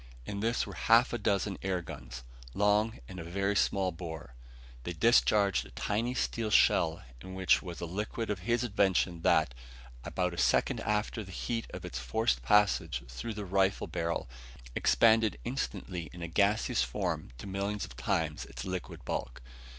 In this were half a dozen air guns. Long and of very small bore, they discharged a tiny steel shell in which was a liquid of his invention that, about a second after the heat of its forced passage through the rifle barrel, expanded instantly in gaseous form to millions of times its liquid bulk.